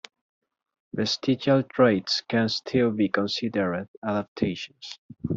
Vestigial traits can still be considered adaptations.